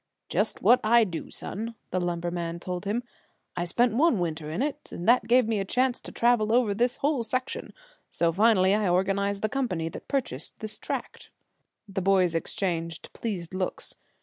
"Just what I do, son," the lumberman told him. "I spent one winter in it, and that gave me a chance to travel over this whole section, so finally I organized the company that purchased this tract." The boys exchanged pleased looks.